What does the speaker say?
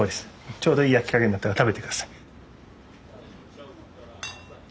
ちょうどいい焼き加減になったら食べて下さい。